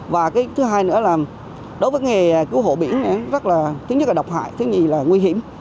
và thứ hai nữa là đối với nghề cứu hộ biển thứ nhất là độc hại thứ hai là nguy hiểm